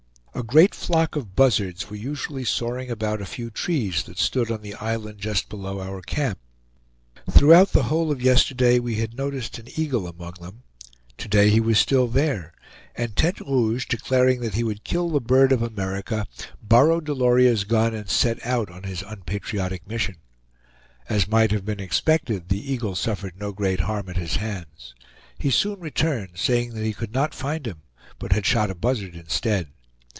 A great flock of buzzards were usually soaring about a few trees that stood on the island just below our camp. Throughout the whole of yesterday we had noticed an eagle among them; to day he was still there; and Tete Rouge, declaring that he would kill the bird of America, borrowed Delorier's gun and set out on his unpatriotic mission. As might have been expected, the eagle suffered no great harm at his hands. He soon returned, saying that he could not find him, but had shot a buzzard instead.